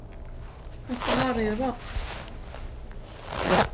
Asɣar ireqq.